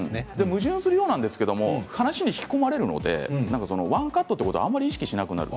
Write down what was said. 矛盾するようなんですけれども話に引き込まれるのでワンカットというのは意識しなくなる。